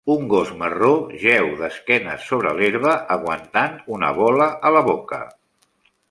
Un gos marró jeu d'esquenes sobre l'herba, aguantant una bola a la boca.